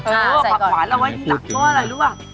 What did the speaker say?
ผักหวานเราไว้ทีหลังก็อะไรรู้อ่ะ